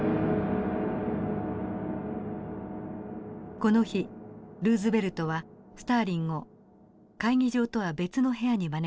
この日ルーズベルトはスターリンを会議場とは別の部屋に招きました。